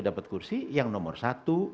dapat kursi yang nomor satu